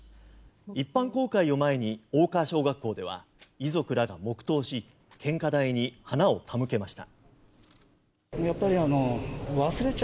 一般公開を前に大川小学校では遺族らが黙祷し献花台に花を手向けました。